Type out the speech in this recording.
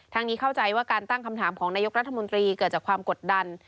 นี้เข้าใจว่าการตั้งคำถามของนายกรัฐมนตรีเกิดจากความกดดัน